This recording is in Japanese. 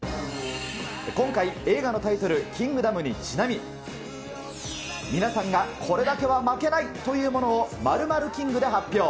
今回、映画のタイトル、キングダムにちなみ、皆さんがこれだけは負けないというものを○○キングで発表。